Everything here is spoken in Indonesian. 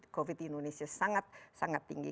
covid di indonesia sangat sangat tinggi